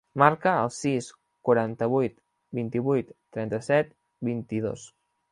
Marca el sis, quaranta-vuit, vint-i-vuit, trenta-set, vint-i-dos.